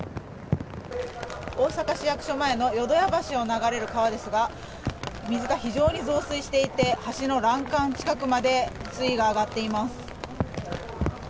大阪市役所前の淀屋橋を流れる川ですが水が非常に増水していて橋の欄干近くまで水位が上がっています。